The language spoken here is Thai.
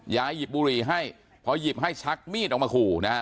หยิบบุหรี่ให้พอหยิบให้ชักมีดออกมาขู่นะฮะ